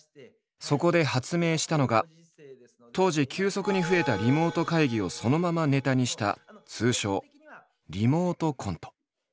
そこで発明したのが当時急速に増えたリモート会議をそのままネタにした通称「リモートコント」。